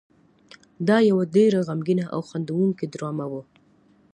دا یو ډېره غمګینه او خندوونکې ډرامه وه.